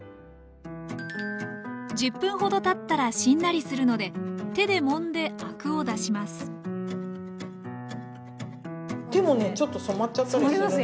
１０分ほどたったらしんなりするので手でもんでアクを出します手もねちょっと染まっちゃったりするので。